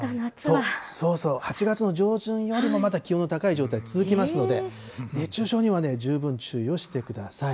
そうそう、８月の上旬よりもまだ気温の高い状態続きますので、熱中症にはね、十分注意をしてください。